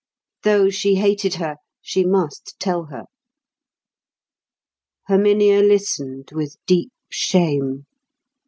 Though she hated her, she must tell her. Herminia listened with deep shame.